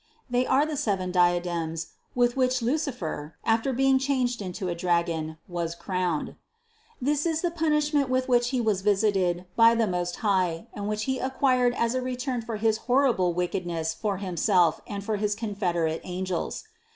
They are the seven diadems with which Lucifer, after being changed into a dragon, was crowned. This is the punishment with which he was visited by the Most High and which he acquired as a return for his horrible wickedness for himself and for his confederate angels.